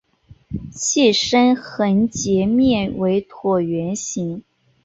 器身横截面为椭圆形。